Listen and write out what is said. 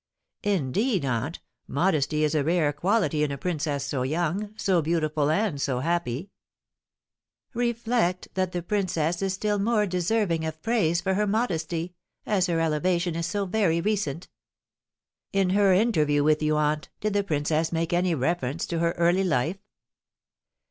"Indeed, aunt, modesty is a rare quality in a princess so young, so beautiful, and so happy." "Reflect that the princess is still more deserving of praise for her modesty, as her elevation is so very recent." "In her interview with you, aunt, did the princess make any reference to her early life?"